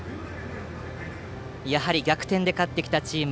やはり逆転で勝ってきたチーム。